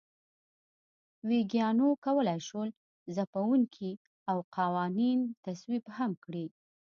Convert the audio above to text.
ویګیانو کولای شول ځپونکي او قوانین تصویب هم کړي.